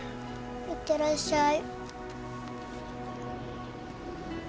行ってらっしゃい。